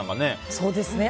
そうですね。